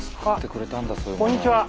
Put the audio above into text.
こんにちは。